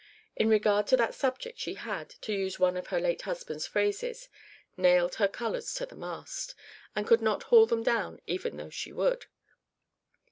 In regard to that subject she had, to use one of her late husband's phrases, "nailed her colours to the mast," and could not haul them down even though she would.